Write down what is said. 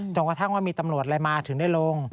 กระทั่งว่ามีตำรวจอะไรมาถึงได้ลง